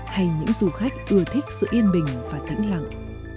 hay những du khách ưa thích sự yên bình và tĩnh lặng